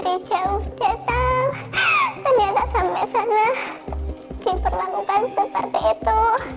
ternyata sampai sana diperlakukan seperti itu